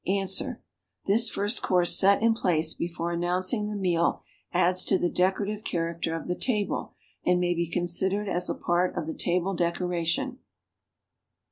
Ans. This first coiu se set in place before announcing the meal adds to the decorative character of the table and may be con sidered as a part of the table decoration.